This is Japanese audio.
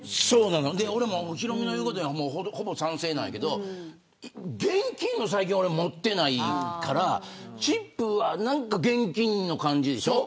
俺もヒロミの言うことにはほぼ賛成なんやけど現金を最近、俺は持ってないからチップは現金の感じでしょ。